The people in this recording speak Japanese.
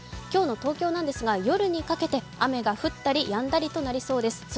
今日の東京なんですが夜にかけて雨が降ったりやんだりとなりそうです。